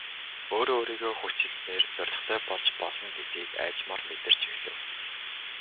Өөрөө өөрийгөө хүчилснээр зорилготой болж болно гэдгийг аажмаар мэдэрч эхлэв.